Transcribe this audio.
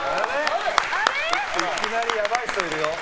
いきなりやばい人いるよ。